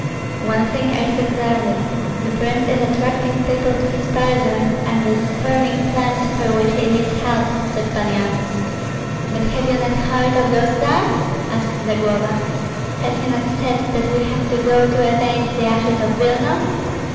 "One thing I see clearly: the prince is attracting people to his person, and is forming plans for which he needs help." said Pan Yan. "But have you not heard of those plans?" asked Zagloba. "Has he not said that we have to go to avenge the ashes of Vilna?